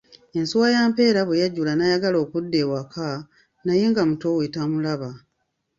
Ensuwa ya Mpeera bwe yajjula n'ayagala okudda ewaka, naye nga muto we tamulaba.